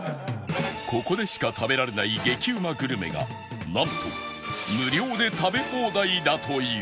ここでしか食べられない激うまグルメがなんと無料で食べ放題だという